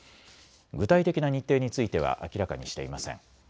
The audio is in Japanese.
具体的な日程については明らかにしていません。